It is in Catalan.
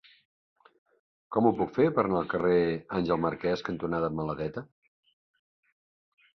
Com ho puc fer per anar al carrer Àngel Marquès cantonada Maladeta?